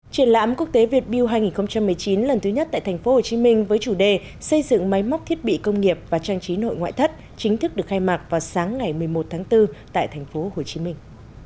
triển lãm quốc tế việt build hai nghìn một mươi chín lần thứ nhất tại thành phố hồ chí minh với chủ đề xây dựng máy móc thiết bị công nghiệp và trang trí nội ngoại thất chính thức được khai mạc vào sáng ngày một mươi một tháng bốn tại thành phố hồ chí minh